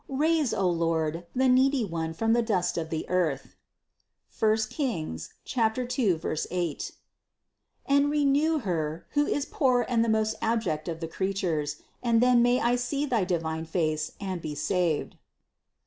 Raise, O Lord, the needy one from the dust of the earth (I Reg. 2, 8) and renew her, who is poor and the most abject of the creatures, and then may I see thy divine face and be saved."